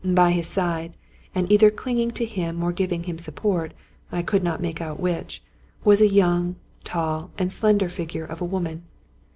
By his side, and either clinging to him or giving him support — I could not make out which — was a young, tall, and slender figure of a woman.